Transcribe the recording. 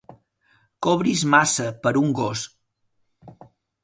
Cobris massa per un gos.